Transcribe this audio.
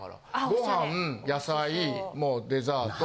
ご飯野菜もうデザート。